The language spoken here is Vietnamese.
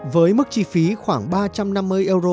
với mức chi phí khoảng ba trăm năm mươi euro